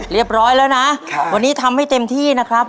เรียบร้อยแล้วนะวันนี้ทำให้เต็มที่นะครับ